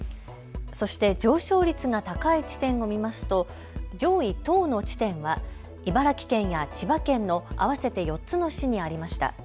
そして上昇率が高い地点を見ますと上位１０の地点は茨城県や千葉県の合わせて４つの市にありました。